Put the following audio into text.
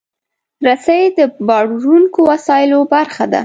رسۍ د باروړونکو وسایلو برخه ده.